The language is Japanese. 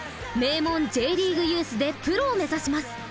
名門Ｊリーグユースでプロを目指します。